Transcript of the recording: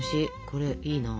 これいいな。